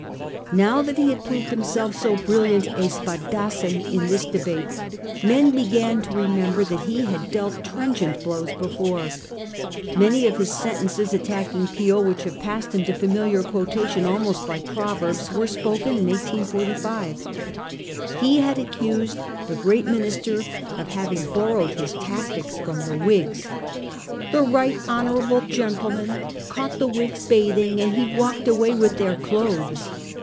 Now that he had proved himself so brilliant a tpadassin in this debate, men began to remember that he had dealt trenchant blows before. Many of his sentences attacking Peel, which have passed into familiar quotation almost like proverbs, were spoken in 1845 . He had accused the great minister of having borrowed his tactics from the "Whigs. ' The ight honourable gentleman caught the Whigs bath ing and he walked away with their clothes.